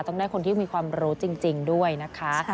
ต้องได้คนที่มีความรู้จริงด้วยนะคะ